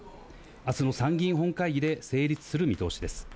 あすの参議院本会議で成立する見通しです。